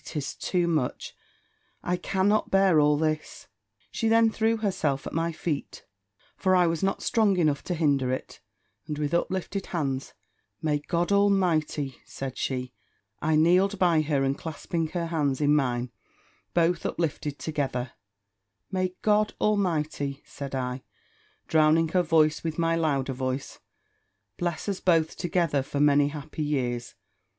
'tis too much! I cannot bear all this." She then threw herself at my feet; for I was not strong enough to hinder it; and with uplifted hands "May God Almighty," said she I kneeled by her, and clasping her hands in mine, both uplifted together "May God Almighty," said I, drowning her voice with my louder voice, "bless us both together, for many happy years!